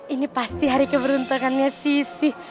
ini pasti hari keberuntungannya sisi